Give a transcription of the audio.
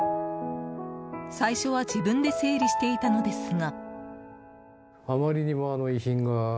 最初は自分で整理していたのですが。